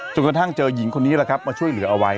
จนกระทั่งเจอหญิงคนนี้แหละครับมาช่วยเหลือเอาไว้